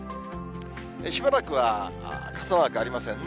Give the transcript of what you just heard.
しばらくは傘マークありませんね。